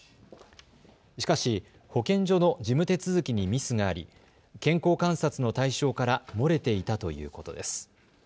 しかし保健所の事務手続きにミスがあり健康観察の対象から漏れていたということです。